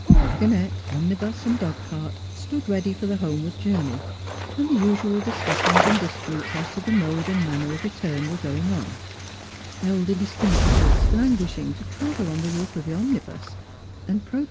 Wagonette, omnibus, and dogcart stood ready for the homeward journey, and the usual discussions and disputes as to the mode and manner of return were going on : elderly spinsters languishing to travel on the roof of the omni bus, and prote.